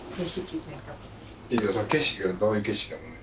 景色がどういう景色かだね